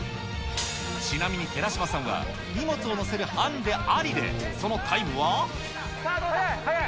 ちなみに寺嶋さんは荷物を載せるハンディありで、そのタイムは。